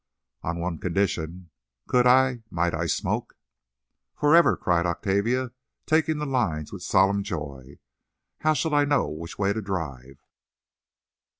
"On one condition. Could I—might I smoke?" "Forever!" cried Octavia, taking the lines with solemn joy. "How shall I know which way to drive?"